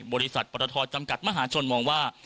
บริษัทปรทจำกัดมหาชนมองว่า